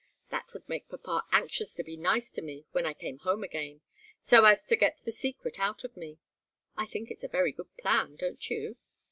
That would make papa anxious to be nice to me when I came home again, so as to get the secret out of me. I think it's a very good plan; don't you?